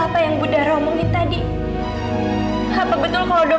kalau emang itu semua betul berarti